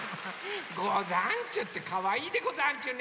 ござんちゅってかわいいでござんちゅね。